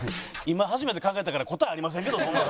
今初めて考えたから答えありませんけどそんな。